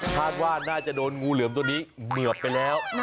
คาดว่าน่าจะโดนงูเหลือมตัวนี้เหมือบไปแล้ว